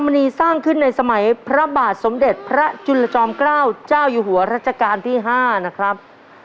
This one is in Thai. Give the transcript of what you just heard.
มณีสร้างขึ้นในสมัยพระบาทสมเด็จพระจุลจอมเกล้าเจ้าอยู่หัวรัชกาลที่๕นะครับ